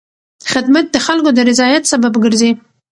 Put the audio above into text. خدمت د خلکو د رضایت سبب ګرځي.